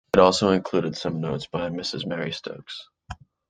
It also included some notes by Mrs. Mary Stokes.